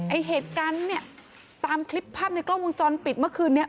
ไอ้เหตุการณ์เนี่ยตามคลิปภาพในกล้องวงจรปิดเมื่อคืนนี้